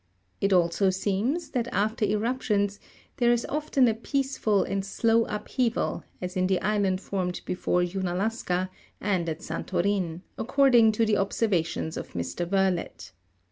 It also seems, that after eruptions, there is often a peaceful and slow upheaval, as in the island formed before Unalaska, and at Santorin, according to the observations of M. Virlet.